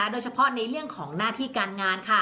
ส่งผลทำให้ดวงชะตาของชาวราศีมีนดีแบบสุดเลยนะคะ